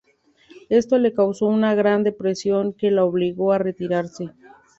Esto le causó una gran depresión que le obligó a retirarse.